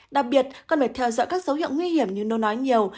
đặc biệt cần phải theo dõi các dấu hiệu nguy hiểm như nô nói nhiều